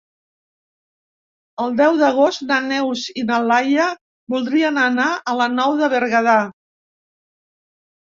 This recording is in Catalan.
El deu d'agost na Neus i na Laia voldrien anar a la Nou de Berguedà.